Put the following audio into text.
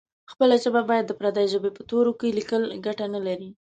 خپله ژبه باید د پردۍ ژبې په تورو کې لیکل ګټه نه لري.